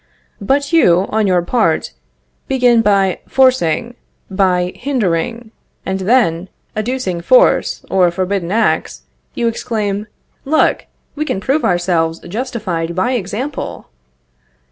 But you, on your part, begin by forcing, by hindering, and then, adducing forced or forbidden acts, you exclaim: "Look; we can prove ourselves justified by example!"